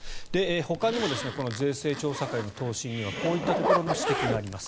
ほかにもこの税制調査会の答申にはこういった指摘があります。